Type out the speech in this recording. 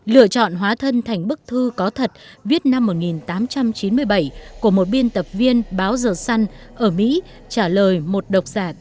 lựa chọn hóa thân thành bức thư có thật viết năm một nghìn tám trăm chín mươi bảy của một biên tập viên báo giờ săn ở mỹ trả lời một độc giả